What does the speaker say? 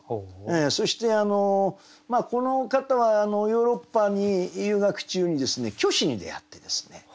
そしてこの方はヨーロッパに遊学中にですね虚子に出会ってですね。